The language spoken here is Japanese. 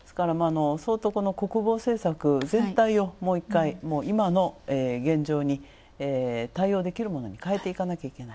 国防政策、絶対もう１回、今の現状に対応できるものに変えていかなきゃいけない